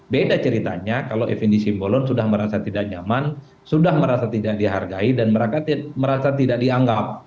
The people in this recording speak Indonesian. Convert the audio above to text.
beda ceritanya kalau fnd simbolon sudah merasa tidak nyaman sudah merasa tidak dihargai dan mereka merasa tidak dianggap